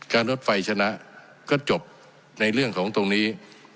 รถไฟชนะก็จบในเรื่องของตรงนี้